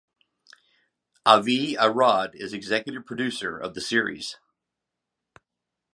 Avi Arad is executive producer of the series.